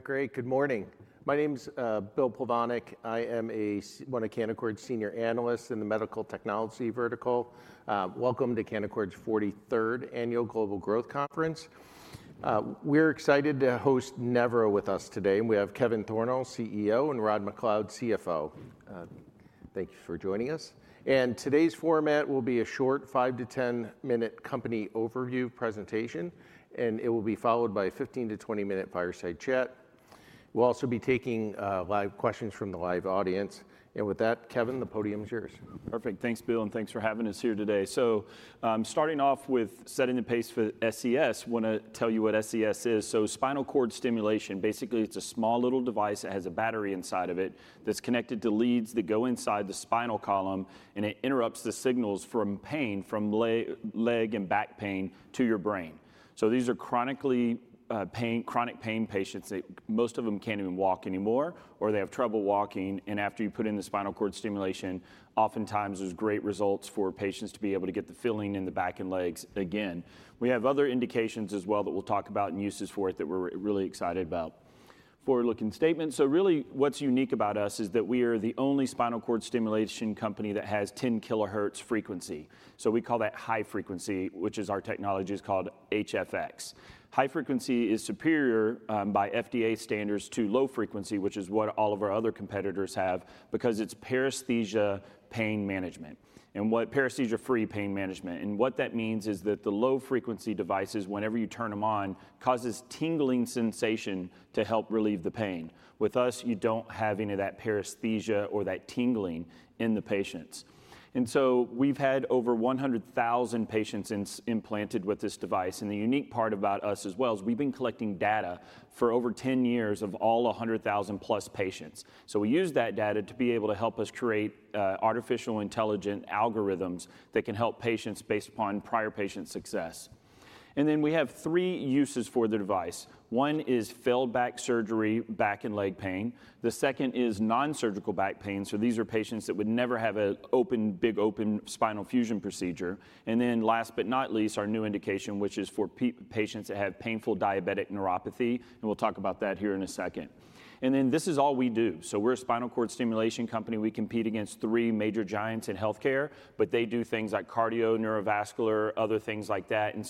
Great. Good morning. My name's Bill Plovanic. I am one of Canaccord's senior analysts in the medical technology vertical. Welcome to Canaccord's 43rd Annual Global Growth Conference. We're excited to host Nevro with us today, and we have Kevin Thornal, CEO, and Rod MacLeod, CFO. Thank you for joining us. Today's format will be a short 5-10 minute company overview presentation, and it will be followed by a 15-20 minute fireside chat. We'll also be taking live questions from the live audience. With that, Kevin, the podium is yours. Perfect. Thanks, Bill, and thanks for having us here today. I'm starting off with setting the pace for SCS. Wanna tell you what SCS is. Spinal cord stimulation, basically, it's a small little device that has a battery inside of it that's connected to leads that go inside the spinal column, and it interrupts the signals from pain, from leg and back pain to your brain. These are chronically, pain, chronic pain patients, that most of them can't even walk anymore, or they have trouble walking, and after you put in the spinal cord stimulation, oftentimes there's great results for patients to be able to get the feeling in the back and legs again. We have other indications as well that we'll talk about and uses for it that we're really excited about. Forward-looking statements. Really, what's unique about us is that we are the only spinal cord stimulation company that has 10 kHz frequency. We call that high frequency, which is our technology, it's called HFX. High frequency is superior by FDA standards to low frequency, which is what all of our other competitors have, because it's paresthesia pain management, paresthesia-free pain management. What that means is that the low-frequency devices, whenever you turn them on, causes tingling sensation to help relieve the pain. With us, you don't have any of that paresthesia or that tingling in the patients. We've had over 100,000 patients implanted with this device, and the unique part about us as well is we've been collecting data for over 10 years of all 100,000-plus patients. We use that data to be able to help us create artificial intelligent algorithms that can help patients based upon prior patient success. We have three uses for the device. One is failed back surgery, back and leg pain. The second is non-surgical back pain, so these are patients that would never have a open, big, open spinal fusion procedure. Last but not least, our new indication, which is for patients that have painful diabetic neuropathy, and we'll talk about that here in a second. This is all we do. We're a spinal cord stimulation company. We compete against three major giants in healthcare, but they do things like cardio, neurovascular, other things like that, and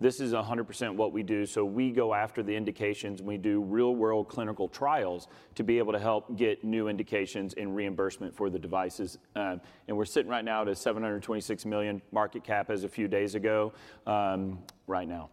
this is 100% what we do. We go after the indications, and we do real-world clinical trials to be able to help get new indications and reimbursement for the devices. We're sitting right now at a $726 million market cap as a few days ago, right now.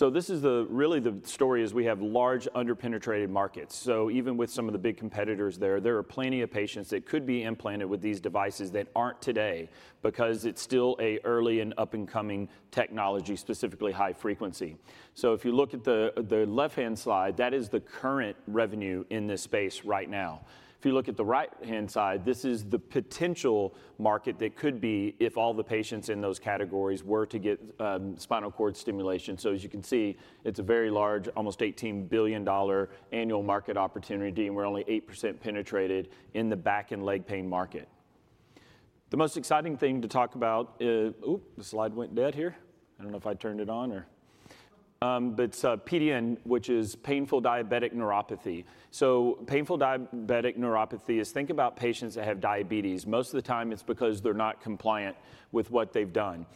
Really, the story is we have large, under-penetrated markets. Even with some of the big competitors there, there are plenty of patients that could be implanted with these devices that aren't today because it's still an early and up-and-coming technology, specifically high frequency. If you look at the left-hand slide, that is the current revenue in this space right now. If you look at the right-hand side, this is the potential market that could be if all the patients in those categories were to get spinal cord stimulation. As you can see, it's a very large, almost $18 billion annual market opportunity, and we're only 8% penetrated in the back and leg pain market. The most exciting thing to talk about is. Ooh! The slide went dead here. I don't know if I turned it on or. But it's PDN, which is painful diabetic neuropathy. Painful diabetic neuropathy is, think about patients that have diabetes. Most of the time, it's because they're not compliant with what they've done.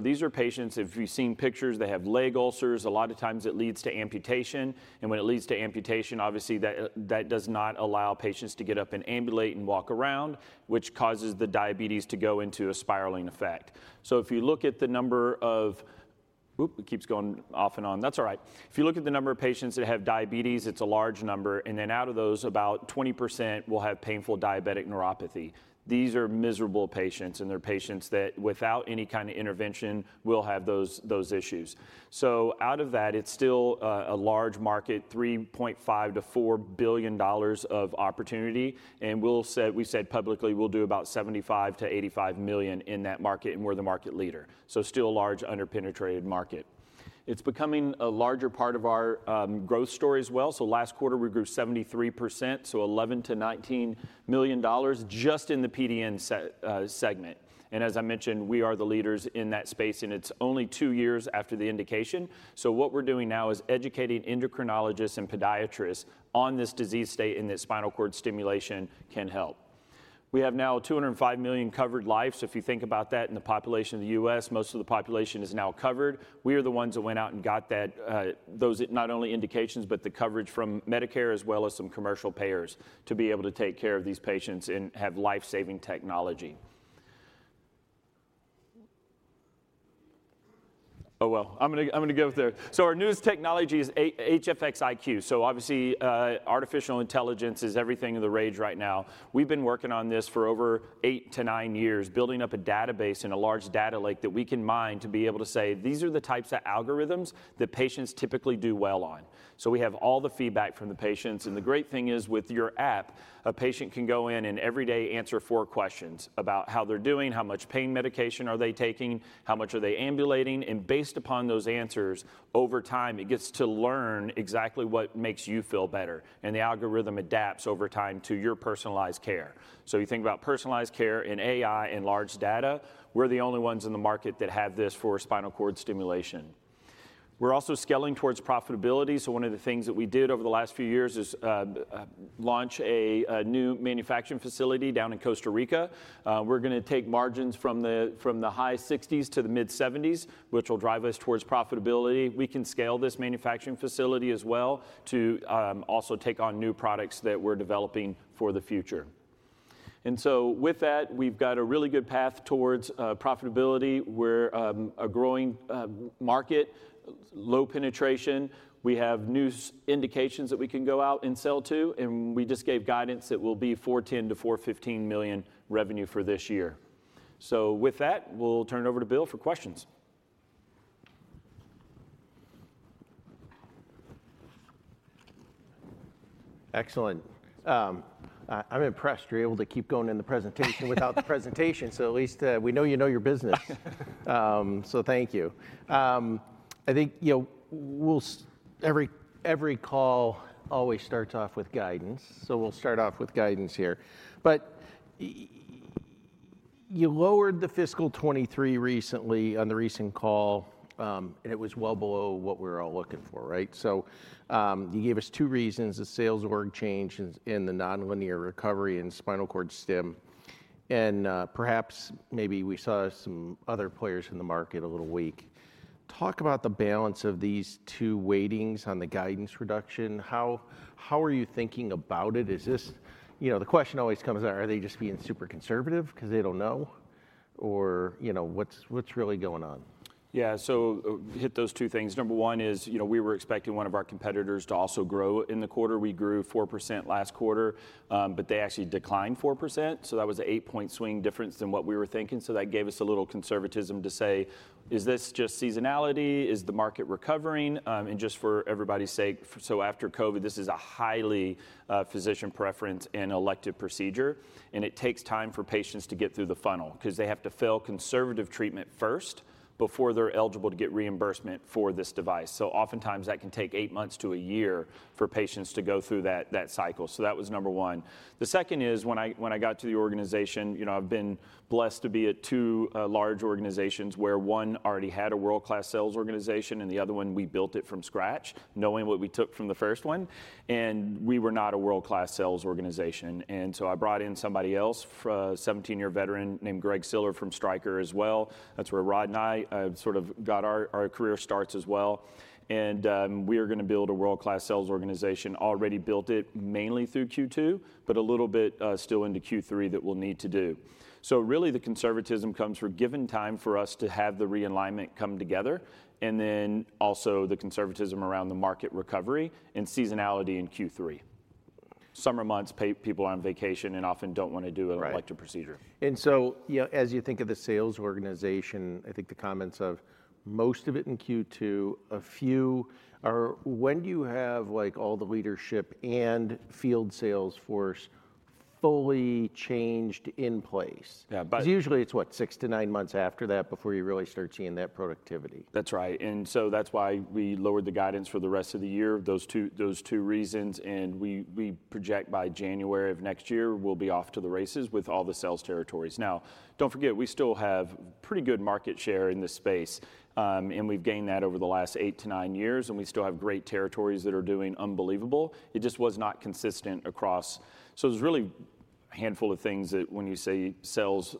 These are patients, if you've seen pictures, they have leg ulcers. A lot of times it leads to amputation, and when it leads to amputation, obviously, that does not allow patients to get up and ambulate and walk around, which causes the diabetes to go into a spiraling effect. If you look at the number of. Oop, it keeps going off and on. That's all right. If you look at the number of patients that have diabetes, it's a large number, and then out of those, about 20% will have painful diabetic neuropathy. These are miserable patients, and they're patients that, without any kind of intervention, will have those, those issues. Out of that, it's still a large market, $3.5 billion-$4 billion of opportunity, and we said publicly we'll do about $75 million-$85 million in that market, and we're the market leader. Still a large, under-penetrated market. It's becoming a larger part of our growth story as well. Last quarter, we grew 73%, $11 million-$19 million just in the PDN segment. As I mentioned, we are the leaders in that space, and it's only 2 years after the indication. What we're doing now is educating endocrinologists and podiatrists on this disease state and that spinal cord stimulation can help. We have now 205 million covered lives. If you think about that in the population of the U.S., most of the population is now covered. We are the ones that went out and got that, those not only indications, but the coverage from Medicare as well as some commercial payers, to be able to take care of these patients and have life-saving technology. Oh, well, I'm gonna go with there. Our newest technology is HFX iQ. Obviously, artificial intelligence is everything of the rage right now. We've been working on this for over eight to nine years, building up a database and a large data lake that we can mine to be able to say, "These are the types of algorithms that patients typically do well on." We have all the feedback from the patients, and the great thing is, with your app, a patient can go in and every day answer four questions about how they're doing, how much pain medication are they taking, how much are they ambulating, and based upon those answers, over time, it gets to learn exactly what makes you feel better, and the algorithm adapts over time to your personalized care. You think about personalized care and AI and large data, we're the only ones in the market that have this for spinal cord stimulation. We're also scaling towards profitability, so one of the things that we did over the last few years is launch a new manufacturing facility down in Costa Rica. We're gonna take margins from the high 60s to the mid-70s, which will drive us towards profitability. We can scale this manufacturing facility as well to also take on new products that we're developing for the future. With that, we've got a really good path towards profitability. We're a growing market, low penetration. We have new indications that we can go out and sell to, and we just gave guidance that we'll be $410 million-$415 million revenue for this year. With that, we'll turn it over to Bill for questions. Excellent. I'm impressed you were able to keep going in the presentation-... without the presentation, so at least, we know you know your business. Thank you. I think, you know, we'll every, every call always starts off with guidance, so we'll start off with guidance here. You lowered the fiscal '23 recently on the recent call, and it was well below what we're all looking for, right? You gave us two reasons, the sales org change and, and the nonlinear recovery in spinal cord stim, and perhaps maybe we saw some other players in the market a little weak. Talk about the balance of these two weightings on the guidance reduction. How, how are you thinking about it? Is this... You know, the question always comes down, are they just being super conservative 'cause they don't know? Or, you know, what's, what's really going on? Yeah, hit those 2 things. Number 1 is, you know, we were expecting 1 of our competitors to also grow in the quarter. We grew 4% last quarter, but they actually declined 4%, so that was a 8-point swing difference than what we were thinking, that gave us a little conservatism to say, "Is this just seasonality? Is the market recovering?" And just for everybody's sake, after COVID, this is a highly physician preference and elective procedure, and it takes time for patients to get through the funnel, 'cause they have to fail conservative treatment first before they're eligible to get reimbursement for this device. Oftentimes that can take 8 months to 1 year for patients to go through that, that cycle. That was number 1. The second is, when I, when I got to the organization, you know, I've been blessed to be at two large organizations, where one already had a world-class sales organization, and the other one, we built it from scratch, knowing what we took from the first one, and we were not a world-class sales organization. So I brought in somebody else, a 17-year veteran named Greg Siller from Stryker as well. That's where Rod and I sort of got our, our career starts as well, and we are gonna build a world-class sales organization. Already built it mainly through Q2, but a little bit still into Q3 that we'll need to do. Really, the conservatism comes from giving time for us to have the realignment come together, and then also the conservatism around the market recovery and seasonality in Q3. Summer months, people are on vacation and often don't wanna... Right... an elective procedure. So, you know, as you think of the sales organization, I think the comments of most of it in Q2, a few are. When do you have, like, all the leadership and field sales force fully changed in place? Yeah. 'Cause usually it's what? 6-9 months after that before you really start seeing that productivity. That's right, that's why we lowered the guidance for the rest of the year, those 2 reasons, we project by January of next year we'll be off to the races with all the sales territories. Now, don't forget, we still have pretty good market share in this space, and we've gained that over the last 8-9 years, and we still have great territories that are doing unbelievable. It just was not consistent across... There's really a handful of things that when you say sales,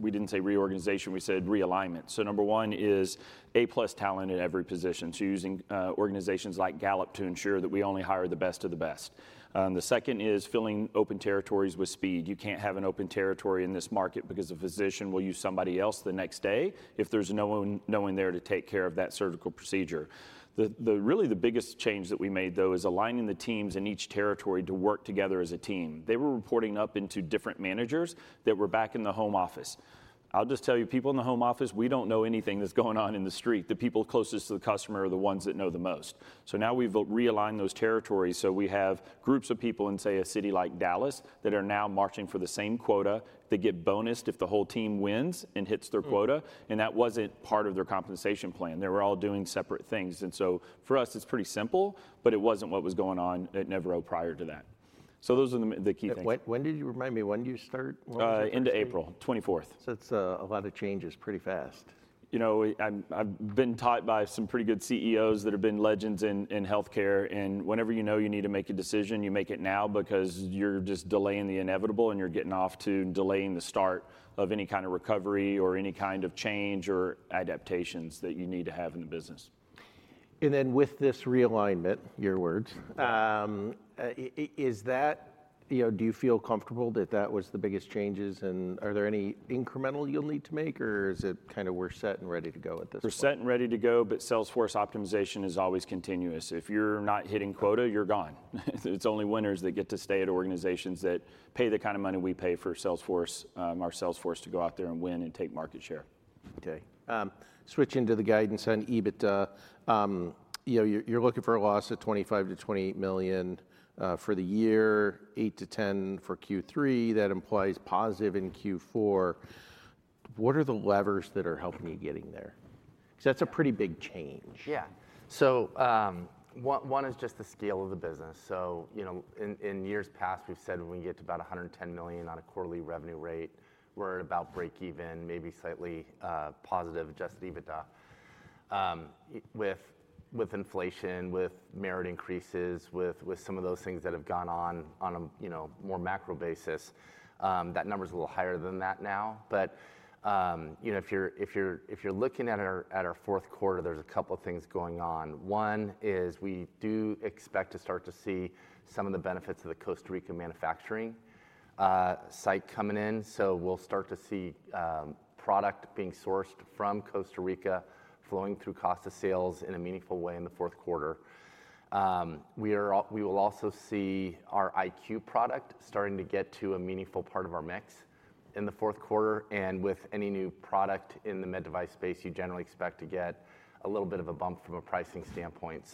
we didn't say reorganization, we said realignment. Number 1 is A-plus talent at every position, using organizations like Gallup to ensure that we only hire the best of the best. The 2nd is filling open territories with speed. You can't have an open territory in this market, because a physician will use somebody else the next day if there's no one, no one there to take care of that surgical procedure. The, the really the biggest change that we made, though, is aligning the teams in each territory to work together as a team. They were reporting up into different managers that were back in the home office. I'll just tell you, people in the home office, we don't know anything that's going on in the street. The people closest to the customer are the ones that know the most. Now we've realigned those territories, so we have groups of people in, say, a city like Dallas, that are now marching for the same quota. They get bonused if the whole team wins and hits their quota. Hmm... that wasn't part of their compensation plan. They were all doing separate things, for us, it's pretty simple, but it wasn't what was going on at Nevro prior to that. Those are the key things. When, when did you, remind me, when do you start? end of April. 24th That's a lot of changes pretty fast You know, I've been taught by some pretty good CEOs that have been legends in, in healthcare. Whenever you know you need to make a decision, you make it now, because you're just delaying the inevitable. You're getting off to delaying the start of any kind of recovery or any kind of change or adaptations that you need to have in the business. Then with this realignment, your words- Yeah. Is that, you know, do you feel comfortable that that was the biggest changes, and are there any incremental you'll need to make, or is it kind of we're set and ready to go at this point? We're set and ready to go. Salesforce optimization is always continuous. If you're not hitting quota, you're gone. It's only winners that get to stay at organizations that pay the kind of money we pay for salesforce, our salesforce, to go out there and win and take market share. Okay. Switching to the guidance on EBITDA, you know, you're, you're looking for a loss of $25 million-$28 million for the year, $8 million-$10 million for Q3. That implies positive in Q4. What are the levers that are helping you getting there? 'Cause that's a pretty big change. Yeah. One, one is just the scale of the business. You know, in, in years past, we've said when we get to about $110 million on a quarterly revenue rate, we're at about breakeven, maybe slightly positive adjusted EBITDA. With, with inflation, with merit increases, with, with some of those things that have gone on, on a, you know, more macro basis, that number's a little higher than that now. You know, if you're, if you're, if you're looking at our, at our fourth quarter, there's a couple things going on. One is we do expect to start to see some of the benefits of the Costa Rica manufacturing site coming in. We'll start to see product being sourced from Costa Rica flowing through cost of sales in a meaningful way in the fourth quarter. We will also see our IQ product starting to get to a meaningful part of our mix in the fourth quarter. With any new product in the med device space, you generally expect to get a little bit of a bump from a pricing standpoint.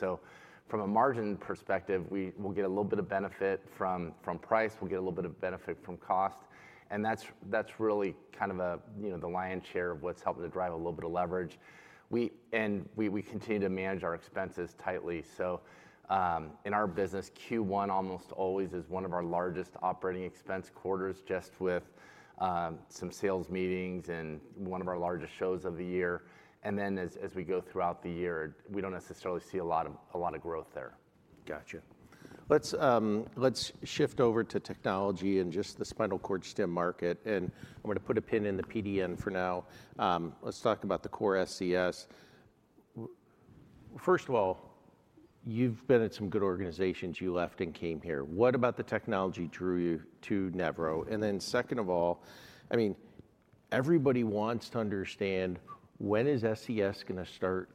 From a margin perspective, we will get a little bit of benefit from, from price, we'll get a little bit of benefit from cost, and that's, that's really kind of a, you know, the lion's share of what's helping to drive a little bit of leverage. We continue to manage our expenses tightly. In our business, Q1 almost always is one of our largest operating expense quarters, just with some sales meetings and one of our largest shows of the year. As, as we go throughout the year, we don't necessarily see a lot of, a lot of growth there. Gotcha. Let's, let's shift over to technology and just the spinal cord stim market. I'm gonna put a pin in the PDN for now. Let's talk about the core SCS. First of all, you've been at some good organizations. You left and came here. What about the technology drew you to Nevro? Then second of all, I mean, everybody wants to understand: when is SCS gonna start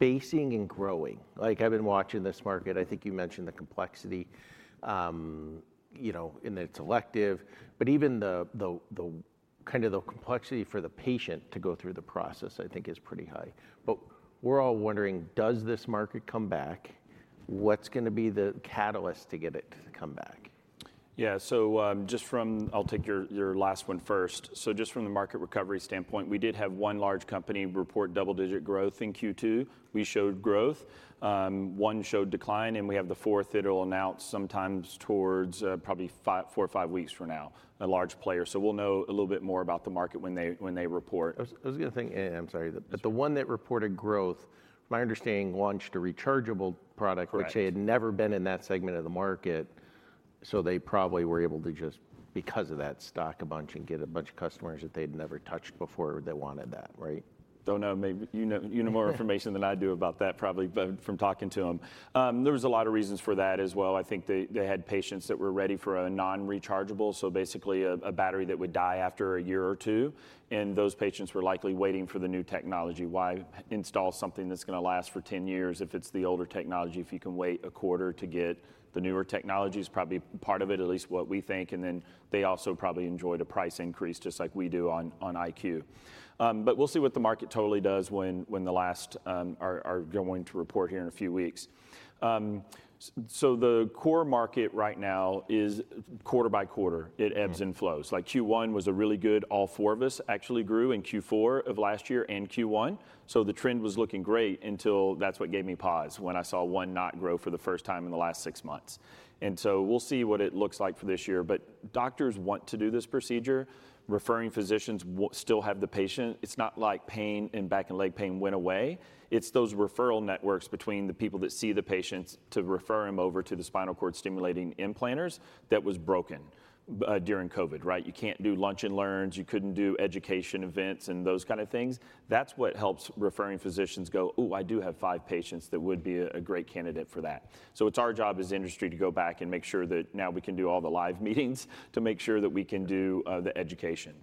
basing and growing? Like, I've been watching this market, I think you mentioned the complexity, you know, it's elective, but even the kind of the complexity for the patient to go through the process, I think is pretty high. We're all wondering, does this market come back? What's gonna be the catalyst to get it to come back? Yeah. I'll take your, your last one first. Just from the market recovery standpoint, we did have one large company report double-digit growth in Q2. We showed growth, one showed decline, and we have the fourth that'll announce sometimes towards probably four or five weeks from now, a large player. We'll know a little bit more about the market when they, when they report. I was, I was gonna think... Yeah, I'm sorry. The one that reported growth, from my understanding, launched a rechargeable product- Correct.... which they had never been in that segment of the market, so they probably were able to just, because of that, stock a bunch and get a bunch of customers that they'd never touched before that wanted that, right? Don't know, maybe. You know, you know more information than I do about that, probably, but from talking to them. There was a lot of reasons for that as well. I think they, they had patients that were ready for a non-rechargeable, so basically a, a battery that would die after a year or two, and those patients were likely waiting for the new technology. Why install something that's gonna last for 10 years if it's the older technology, if you can wait a quarter to get the newer technology? Is probably part of it, at least what we think, and then they also probably enjoyed a price increase, just like we do on, on iQ. We'll see what the market totally does when, when the last, are, are going to report here in a few weeks. The core market right now is quarter by quarter. Mm. It ebbs and flows. Like, Q1 was a really good. All four of us actually grew in Q4 of last year and Q1, so the trend was looking great until that's what gave me pause, when I saw one not grow for the first time in the last six months. So we'll see what it looks like for this year. Doctors want to do this procedure. Referring physicians still have the patient. It's not like pain and back and leg pain went away. It's those referral networks between the people that see the patients to refer them over to the spinal cord stimulating implanters that was broken during COVID, right? You can't do lunch and learns, you couldn't do education events and those kind of things. That's what helps referring physicians go, "Ooh, I do have 5 patients that would be a, a great candidate for that." It's our job as industry to go back and make sure that now we can do all the live meetings to make sure that we can do the education.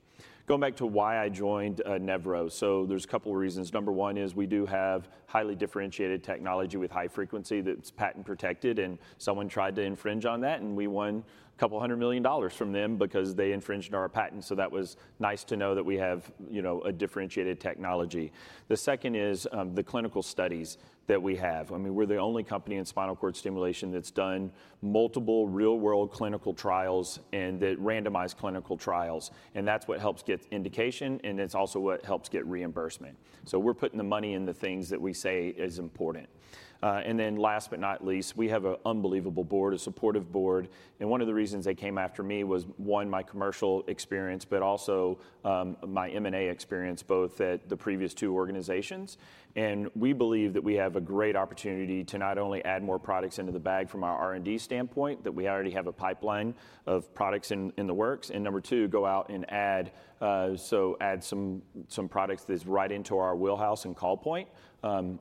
Going back to why I joined Nevro, there's 2 reasons. Number 1 is we do have highly differentiated technology with high frequency that's patent-protected. Someone tried to infringe on that, we won $200 million from them because they infringed on our patent, that was nice to know that we have, you know, a differentiated technology. The 2nd is the clinical studies that we have. I mean, we're the only company in spinal cord stimulation that's done multiple real-world clinical trials and that randomized clinical trials, and that's what helps get indication, and it's also what helps get reimbursement. We're putting the money in the things that we say is important. Then last but not least, we have a unbelievable board, a supportive board, and one of the reasons they came after me was, one, my commercial experience, but also, my M&A experience, both at the previous two organizations. We believe that we have a great opportunity to not only add more products into the bag from our R&D standpoint, that we already have a pipeline of products in, in the works, and number two, go out and add some, some products that's right into our wheelhouse and call point,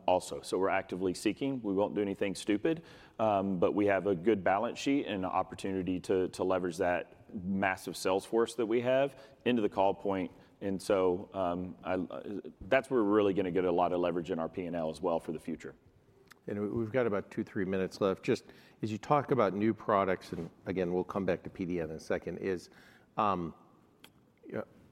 also. We're actively seeking. We won't do anything stupid, but we have a good balance sheet and an opportunity to, to leverage that massive sales force that we have into the call point. That's where we're really gonna get a lot of leverage in our P&L as well for the future. We, we've got about 2, 3 minutes left. Just as you talk about new products, and again, we'll come back to PDN in a second, is... Yeah.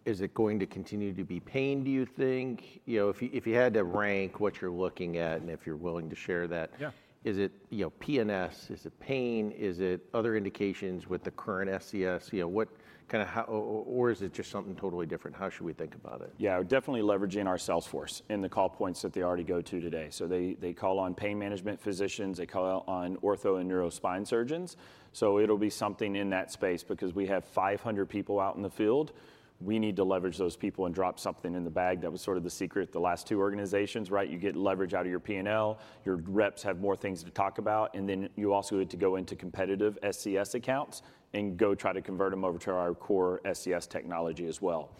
Is it going to continue to be pain, do you think? You know, if you, if you had to rank what you're looking at, and if you're willing to share that- Yeah. Is it, you know, PNS? Is it pain? Is it other indications with the current SCS? You know, what kind of or is it just something totally different? How should we think about it? Yeah, we're definitely leveraging our sales force and the call points that they already go to today. They, they call on pain management physicians, they call on ortho and neuro spine surgeons, so it'll be something in that space. Because we have 500 people out in the field, we need to leverage those people and drop something in the bag. That was sort of the secret of the last two organizations, right? You get leverage out of your P&L, your reps have more things to talk about, and then you also get to go into competitive SCS accounts and go try to convert them over to our core SCS technology as well.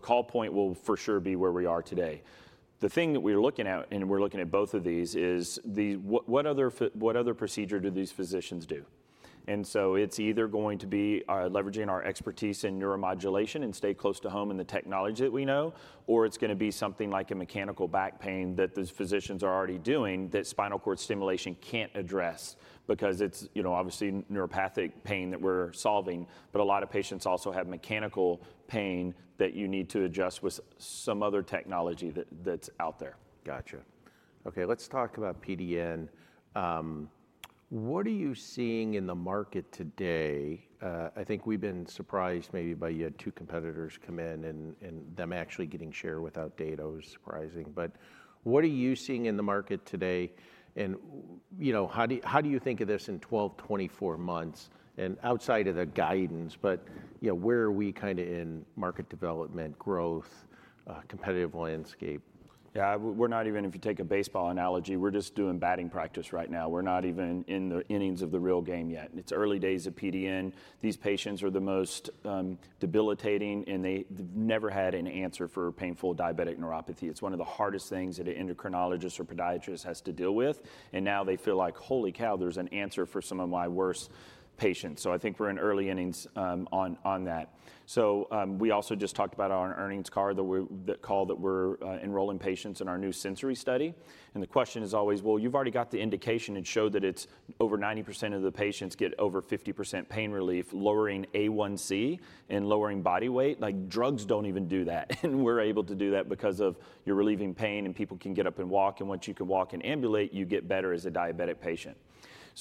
Call point will for sure be where we are today. The thing that we're looking at, and we're looking at both of these, is the... What, what other what other procedure do these physicians do? It's either going to be leveraging our expertise in neuromodulation and stay close to home in the technology that we know, or it's gonna be something like a mechanical back pain that those physicians are already doing that spinal cord stimulation can't address because it's, you know, obviously neuropathic pain that we're solving, but a lot of patients also have mechanical pain that you need to adjust with some other technology that, that's out there. Gotcha. Okay, let's talk about PDN. What are you seeing in the market today? I think we've been surprised maybe by you had two competitors come in, and, and them actually getting share without data was surprising. What are you seeing in the market today, and you know, how do, how do you think of this in 12, 24 months, and outside of the guidance, but, you know, where are we kind of in market development, growth, competitive landscape? Yeah, we're, we're not even... If you take a baseball analogy, we're just doing batting practice right now. We're not even in the innings of the real game yet. It's early days of PDN. These patients are the most debilitating, and they've never had an answer for painful diabetic neuropathy. It's one of the hardest things that an endocrinologist or podiatrist has to deal with, and now they feel like, "Holy cow, there's an answer for some of my worst patients." I think we're in early innings on, on that. We also just talked about our earnings call, that call, that we're enrolling patients in our new Sensory Study. The question is always: Well, you've already got the indication and showed that it's over 90% of the patients get over 50% pain relief, lowering A1C and lowering body weight. Like, drugs don't even do that, and we're able to do that because of you're relieving pain, and people can get up and walk, and once you can walk and ambulate, you get better as a diabetic patient.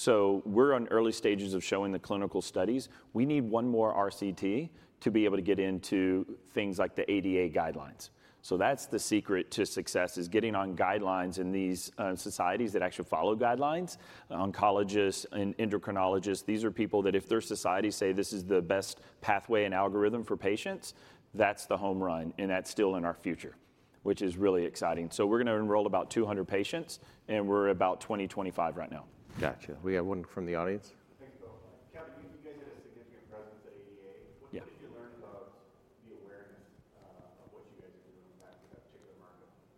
We're on early stages of showing the clinical studies. We need one more RCT to be able to get into things like the ADA guidelines. That's the secret to success, is getting on guidelines in these societies that actually follow guidelines. Oncologists and endocrinologists, these are people that if their societies say, "This is the best pathway and algorithm for patients," that's the home run, and that's still in our future, which is really exciting. We're gonna enroll about 200 patients, and we're about 20-25 right now. Gotcha. We have one from the audience. Thanks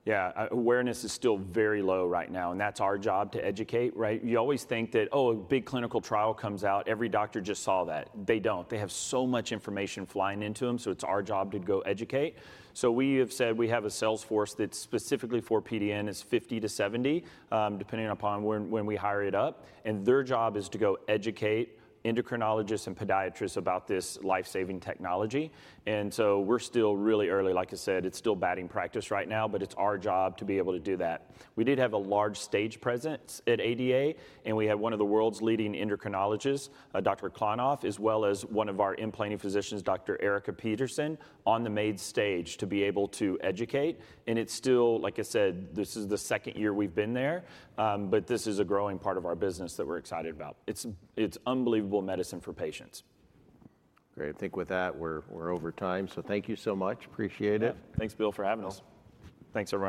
to you both. Kevin, you, you guys had a significant presence at ADA. Yeah. What did you learn about the awareness of what you guys are doing in that, that particular market? Yeah, awareness is still very low right now, and that's our job, to educate, right? You always think that, oh, a big clinical trial comes out, every doctor just saw that. They don't. They have so much information flying into them, so it's our job to go educate. We have said we have a sales force that's specifically for PDN. It's 50-70, depending upon when, when we hire it up, and their job is to go educate endocrinologists and podiatrists about this life-saving technology. We're still really early. Like I said, it's still batting practice right now, but it's our job to be able to do that. We did have a large stage presence at ADA, and we had one of the world's leading endocrinologists, Dr. Klonoff, as well as one of our implanting physicians, Dr. Erika Petersen, on the main stage to be able to educate. It's still. Like I said, this is the second year we've been there. This is a growing part of our business that we're excited about. It's unbelievable medicine for patients. Great. I think with that, we're over time, so thank you so much. Appreciate it. Yeah. Thanks, Bill, for having us. No. Thanks, everyone.